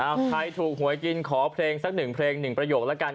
เอาใครถูกหวยกินขอเพลงสักหนึ่งเพลงหนึ่งประโยคแล้วกัน